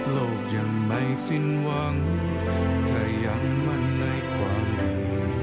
โลกยังไม่สินหวังถ้ายังมั่นในความดี